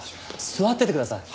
座っててください。